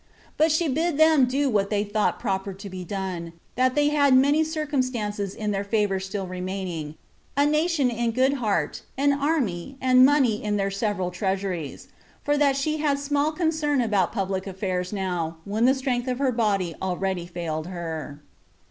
But she bid them do what they thought proper to be done; that they had many circumstances in their favor still remaining, a nation in good heart, an army, and money in their several treasuries; for that she had small concern about public affairs now, when the strength of her body already failed her.